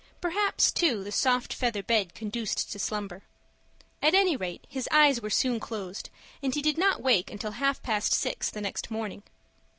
Perhaps, too, the soft feather bed conduced to slumber. At any rate his eyes were soon closed, and he did not awake until half past six the next morning.